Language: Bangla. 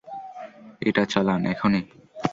এটা চালান, এখনি!